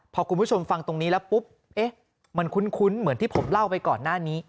พอคุณผู้ชมฟังตรงนี้แล้วปุ๊บมันคุ้นเหมือนที่ผมเล่าไปก่อนหน้านี้